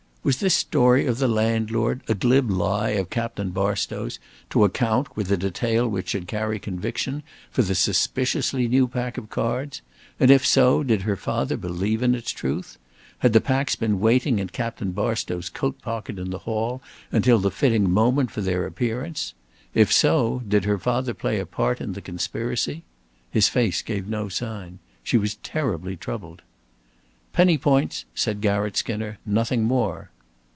Was this story of the landlord a glib lie of Captain Barstow's to account, with a detail which should carry conviction, for the suspiciously new pack of cards? And if so, did her father believe in its truth? Had the packs been waiting in Captain Barstow's coat pocket in the hall until the fitting moment for their appearance? If so, did her father play a part in the conspiracy? His face gave no sign. She was terribly troubled. "Penny points," said Garratt Skinner. "Nothing more."